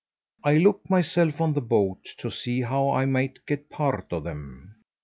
I looked myself on the boat to see how I might get part of them.